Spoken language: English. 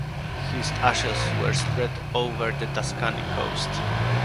His ashes were spread over the Tuscany coast.